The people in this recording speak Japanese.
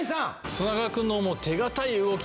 砂川くんの手堅い動き。